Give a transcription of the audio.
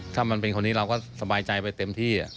ถ้ามันเป็นคนนี้เราก็สบายใจไปเต็มที่